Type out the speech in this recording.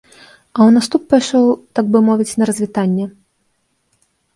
А ў наступ пайшоў, так бы мовіць, на развітанне.